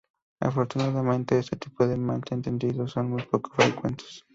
Afortunadamente este tipo de malentendidos son muy poco frecuentes.